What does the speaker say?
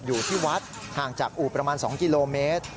อยู่ที่วัดห่างจากอู่ประมาณ๒กิโลเมตร